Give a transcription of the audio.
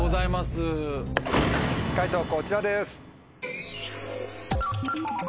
解答こちらです。